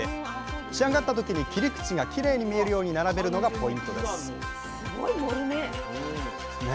仕上がった時に切り口がきれいに見えるように並べるのがポイントです